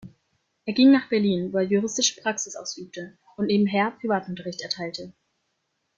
Er ging nach Berlin, wo er juristische Praxis ausübte und nebenher Privatunterricht erteilte.